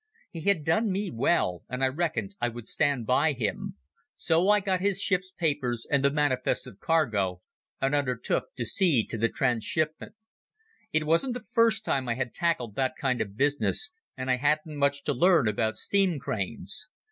He had done me well, and I reckoned I would stand by him. So I got his ship's papers, and the manifests of cargo, and undertook to see to the trans shipment. It wasn't the first time I had tackled that kind of business, and I hadn't much to learn about steam cranes.